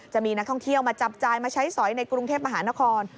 จะมีนักท่องเที่ยวมาจับจ่ายมาใช้สอยในกรุงเทพมหานคร